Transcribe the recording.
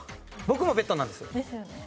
僕もベッドなんですよ。ですよね。